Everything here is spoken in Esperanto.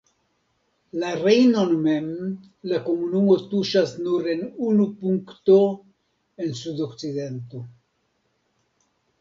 La Rejnon mem, la komunumo tuŝas nur en unu punkto en sudokcidento.